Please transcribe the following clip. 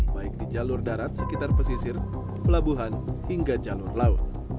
baik di jalur darat sekitar pesisir pelabuhan hingga jalur laut